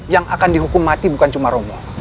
yang akan dihukum mati bukan cuma romo